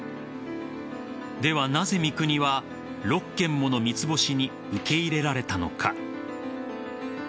では、なぜ三國は６軒もの三つ星に受け入れられたのか。